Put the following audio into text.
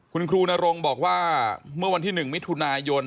คุณครูนรงบอกว่าเมื่อวันที่๑มิถุนายน